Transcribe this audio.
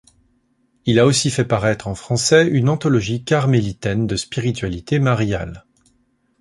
Il a aussi fait paraître, en français, une anthologie carmélitaine de spiritualité mariale.